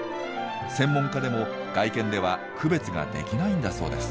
専門家でも外見では区別ができないんだそうです。